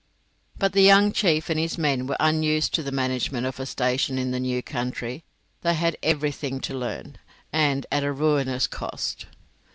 But the young chief and his men were unused to the management of a station in the new country; they had everything to learn, and at a ruinous cost.